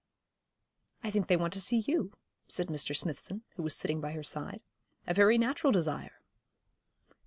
'I think they want to see you,' said Mr. Smithson, who was sitting by her side. 'A very natural desire.'